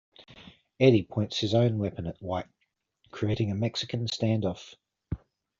Eddie points his own weapon at White, creating a Mexican standoff.